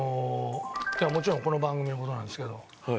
いやもちろんこの番組の事なんですけど。